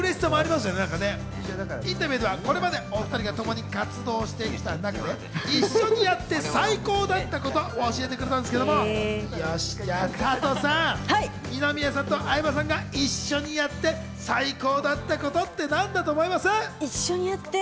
インタビューではこれまでお２人がともに活動してきた中で、一緒にやって、最高だったことを教えてくれたんですけど、二宮さんと相葉さんが一緒にやって最高だったことって何だと思います？